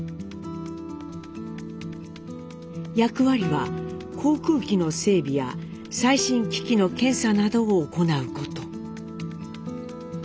役割は航空機の整備や最新機器の検査などを行うこと。